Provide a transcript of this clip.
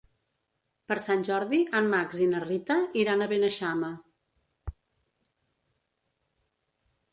Per Sant Jordi en Max i na Rita iran a Beneixama.